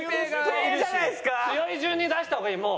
強い順に出した方がいいもう。